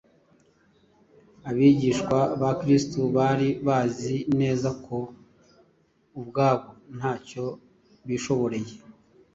Abigishwa ba Kristo bari bazi neza ko ubwabo ntacyo bishoboreye.